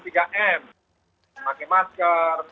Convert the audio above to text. tiga m memakai masker